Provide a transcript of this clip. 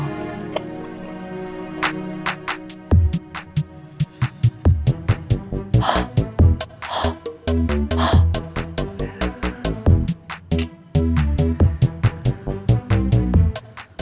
mak paham sob